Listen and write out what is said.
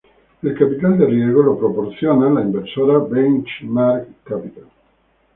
El capital riesgo es provisto por la inversora Benchmark Capital.